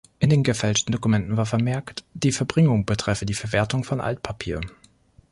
In den gefälschten Dokumenten war vermerkt, die Verbringung betreffe die Verwertung von Altpapier.